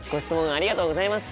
ありがとうございます！